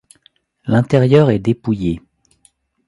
L'intérieur est dépouillé.